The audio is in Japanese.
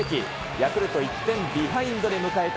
ヤクルト１点ビハインドで迎えた